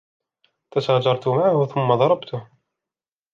تشاجرت معه ثم ضربته.